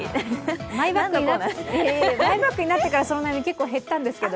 マイバッグになってから結構減ったんですけど、